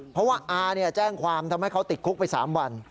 เพราะว่าอาแจ้งความทำให้เขาติดคุกไป๓วัน